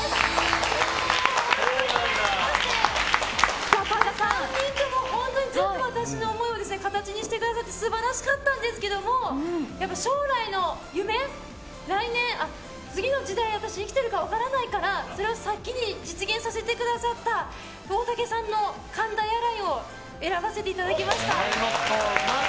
もう本当に悩みまして３人とも全部私の思いを形にしてくださって素晴らしかったんですけども将来の夢、次の時代に私は生きてるか分からないからそれを先に実現させてくださった大竹さんのＫＡＮＤＡＡＩＲＬＩＮＥを選ばせていただきました。